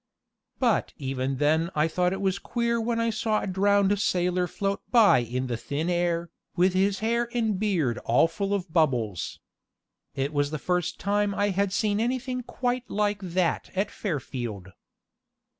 But even then I thought it was queer when I saw a drowned sailor float by in the thin air, with his hair and beard all full of bubbles. It was the first time I had seen anything quite like that at Fairfield.